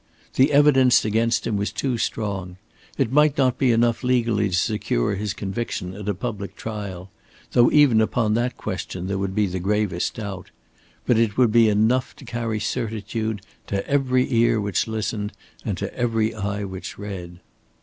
The evidence against him was too strong. It might not be enough legally to secure his conviction at a public trial though even upon that question there would be the gravest doubt but it would be enough to carry certitude to every ear which listened and to every eye which read.